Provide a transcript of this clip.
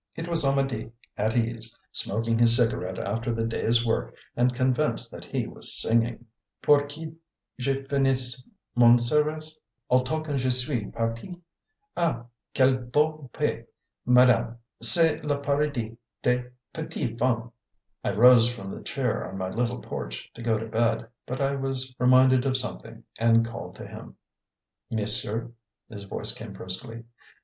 It was Amedee, at ease, smoking his cigarette after the day's work and convinced that he was singing. "Pour qu'j'finisse Mon service Au Tonkin je suis parti Ah! quel beau pays, mesdames! C'est l'paradis des p'tites femmes!" I rose from the chair on my little porch, to go to bed; but I was reminded of something, and called to him. "Monsieur?" his voice came briskly.